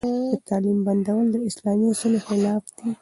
د تعليم بندول د اسلامي اصولو خلاف دي.